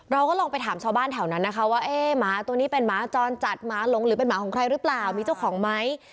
เราก็ลองไปถามชาวบ้านแถวนั้นนะคะว่าเอ๊ะหมาตัวนี้เป็นหมาจรจัดหมาหลงหรือเป็นหมาของใครหรือเปล่ามีเจ้าของไหม